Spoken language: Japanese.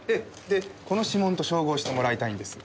でこの指紋と照合してもらいたいんです。